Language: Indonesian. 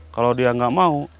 kalau dia gak mau